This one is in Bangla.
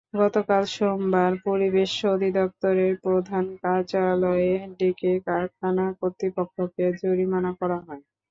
গতকাল সোমবার পরিবেশ অধিদপ্তরের প্রধান কার্যালয়ে ডেকে কারখানা কর্তৃপক্ষকে জরিমানা করা হয়।